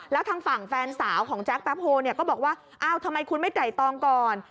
แล้วทางฝั่งแฟนสาวของแจ๊คแป๊บโฮก็บอกว่าอ้าวทำไมคุณไม่ไต่ตองก่อน